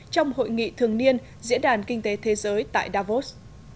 trong hội nghị thường niên diễn đàn kinh tế thế giới tại davos